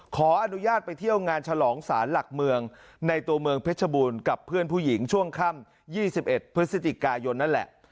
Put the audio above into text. ขออนุญาตไปเที่ยวงานฉลองศาลหลักเมืองในตัวเมืองเพชรบูรณ์กับเพื่อนผู้หญิงช่วงค่ำ๒๑พฤศจิกายนนั่นแหละ